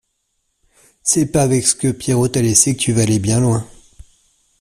C’est pas avec ce que Pierrot t’a laissé que tu vas aller bien loin.